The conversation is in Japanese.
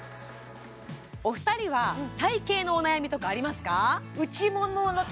お二人は体形のお悩みとかありますか？